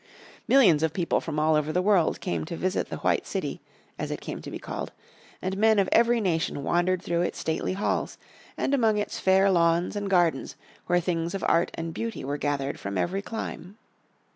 Millions of people from all over the world came to visit the White city as it came to be called; and men of every nation wandered through its stately halls, and among its fair lawns and gardens where things of art and beauty were gathered from every clime.